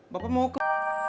bapak mau ke